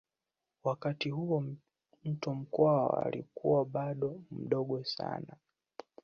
Wakati huo Mtwa Mkwawa alikuwa bado mdogo sana